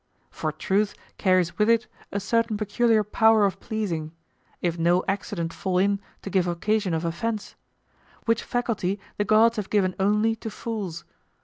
For truth carries with it a certain peculiar power of pleasing, if no accident fall in to give occasion of offense; which faculty the gods have given only to fools.